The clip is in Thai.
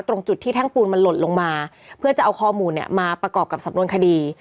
ตรงจุดที่แท่งปูนมันหล่นลงมาเพื่อจะเอาข้อมูลเนี่ยมาประกอบกับสำนวนคดี